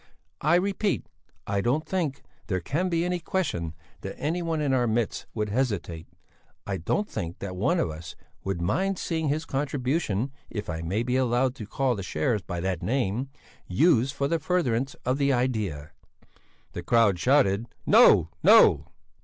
I repeat, I don't think there can be any question that any one in our midst would hesitate I don't think that one of us would mind seeing his contribution, if I may be allowed to call the shares by that name, used for the furtherance of the idea." "No! No!"